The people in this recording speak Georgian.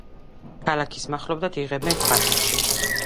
ქალაქის მახლობლად იღებენ ქვანახშირს.